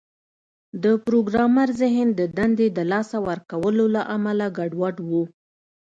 د پروګرامر ذهن د دندې د لاسه ورکولو له امله ګډوډ و